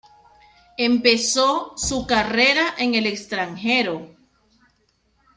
Empezó su carrera en el extranjero.